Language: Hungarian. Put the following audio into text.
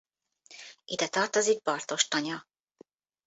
Ide tartozik Barthos-tanya.